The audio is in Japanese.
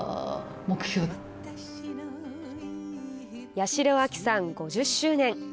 八代亜紀さん、５０周年。